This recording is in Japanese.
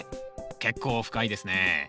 結構深いですね。